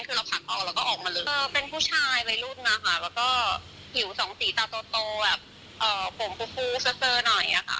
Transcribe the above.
เธอเป็นผู้ชายใบรูดนะคะแล้วก็ผิวสองสีตาโตแบบผมฟูเสื้อหน่อยค่ะ